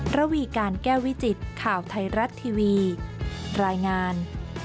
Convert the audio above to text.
ระวีการแก้วิจิตข่าวไทยรัฐทีวีรายงาน